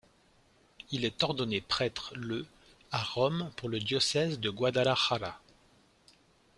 Il est ordonné prêtre le à Rome pour le diocèse de Guadalajara.